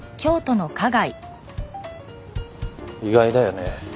意外だよね。